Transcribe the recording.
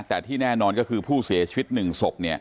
แต่ที่แน่นอนก็คือผู้เสียชีวิต๑ศพ